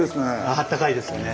あったかいですね。